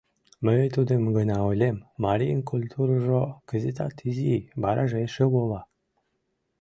Мый тудым гына ойлем: марийын культурыжо кызытат изи, вараже эше вола.